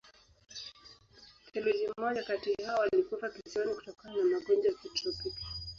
Theluji moja kati hao walikufa kisiwani kutokana na magonjwa ya kitropiki.